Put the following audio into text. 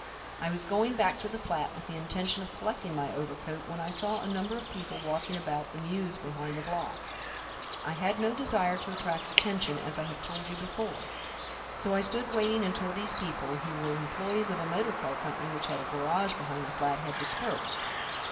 I was going back to the flat with the intention of collecting my overcoat, when I saw a number of people walking about the mews behind the block. I had no desire to attract attention, as I have told you before, so I stood waiting until these people, who were employees of a motor car company which had a garage behind the flat, had dispersed.